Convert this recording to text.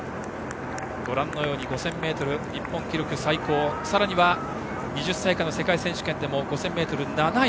５０００ｍ、日本記録最高さらに２０歳以下の世界選手権でも５０００ｍで７位。